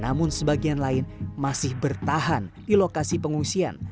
namun sebagian lain masih bertahan di lokasi pengungsian